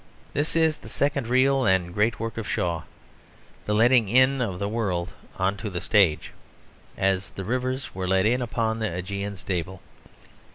This is the second real and great work of Shaw the letting in of the world on to the stage, as the rivers were let in upon the Augean Stable.